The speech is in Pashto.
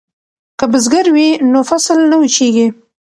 که بزګر وي نو فصل نه وچیږي.